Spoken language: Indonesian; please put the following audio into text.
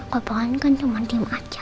kalo pohon kan cuma diem aja